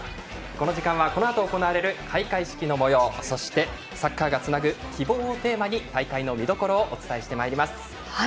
この時間は、このあと行われる開会式のもようそして、サッカーがつなぐ「希望」をテーマに大会の見どころをお伝えしてまいります。